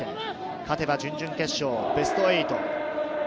勝てば準々決勝、ベスト８。